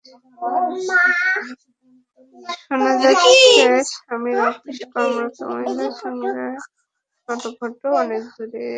শোনা যাচ্ছে স্বামীর অফিসে কর্মরত মহিলার সঙ্গে নটঘটও অনেক দূর গড়িয়েছে।